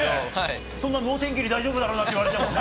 そんな能天気に大丈夫だろうって言われてもね。